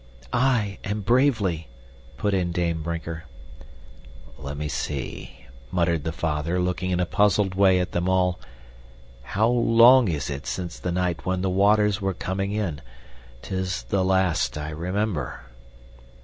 "Aye and bravely," put in Dame Brinker. "Let me see," muttered the father, looking in a puzzled way at them all, "how long is it since the night when the waters were coming in? 'Tis the last I remember."